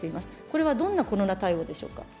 これはどんなコロナ対応でしょうか。